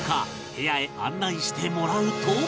部屋へ案内してもらうと